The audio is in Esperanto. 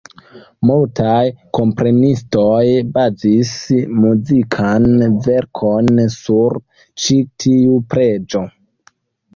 Multaj komponistoj bazis muzikan verkon sur ĉi tiu preĝo.